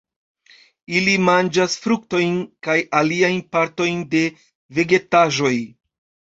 Ili manĝas fruktojn kaj aliajn partojn de vegetaĵoj.